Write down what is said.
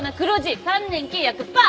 ３年契約パー。